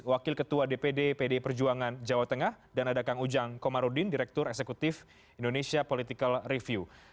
wakil ketua dpd pdi perjuangan jawa tengah dan ada kang ujang komarudin direktur eksekutif indonesia political review